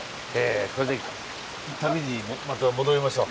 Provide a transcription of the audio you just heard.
これで旅にまた戻りましょう。